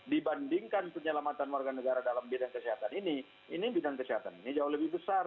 dibandingkan penyelamatan warga negara dalam bidang kesehatan ya itu bisa